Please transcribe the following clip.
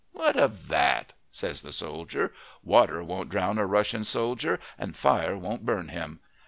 "What of that?" says the soldier. "Water won't drown a Russian soldier, and fire won't burn him.